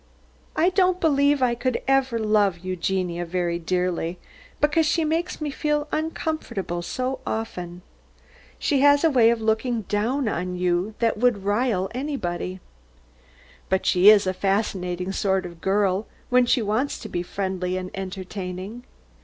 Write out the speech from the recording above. I don't believe that I could ever love Eugenia very dearly, because she makes me feel uncomfortable so often. She has a way of looking down on you that would rile anybody. But she is a fascinating sort of girl, when she wants to be friendly and entertaining.